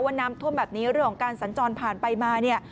น้ำท่วมแบบนี้เรื่องของการสัญจรผ่านไปมาเนี่ย